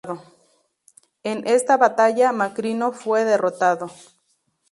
En esta batalla, Macrino fue derrotado.